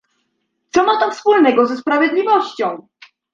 Co ma to wspólnego ze sprawiedliwością?